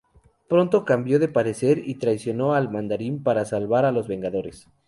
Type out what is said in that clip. Pronto cambió de parecer y traicionó al Mandarín para salvar a los Vengadores.